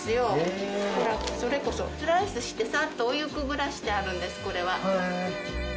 ほらそれこそスライスしてサッとお湯くぐらせてあるんですこれは。へ。